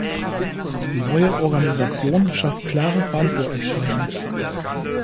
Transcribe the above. Die neue Organisation schafft klare Verantwortlichkeiten.